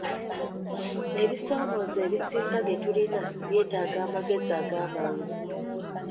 Ebisoomooza ebisinga bye tulina byetaaga amagezi agamangu.